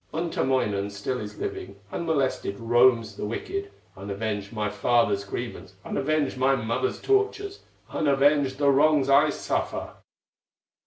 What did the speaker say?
Untamoinen still is living, Unmolested roams the wicked, Unavenged my father's grievance, Unavenged my mother's tortures, Unavenged the wrongs I suffer!"